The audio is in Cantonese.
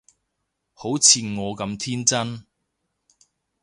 好似我咁天真